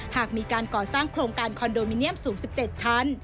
หากมีการก่อสร้างโครงการคอนโดมิเนียมสูง๑๗ชั้น